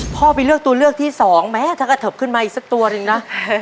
พ่อไปเลือกตัวเลือกที่สองแม้ถ้ากระเทิบขึ้นมาอีกสักตัวหนึ่งนะ